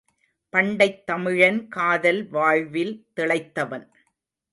பண்டைத் தமிழன் காதல் வாழ்வில் திளைத்தவன்.